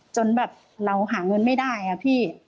จนแบบเราหาเงินไม่ได้มากเลย